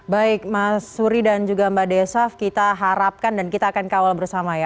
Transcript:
baik mas suri dan juga mbak desaf kita harapkan dan kita akan kawal bersama ya